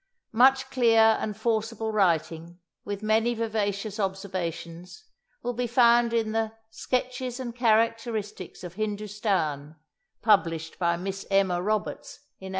Much clear and forcible writing, with many vivacious observations, will be found in the "Sketches and Characteristics of Hindustan," published by Miss Emma Roberts in 1835.